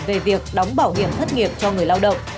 về việc đóng bảo hiểm thất nghiệp cho người lao động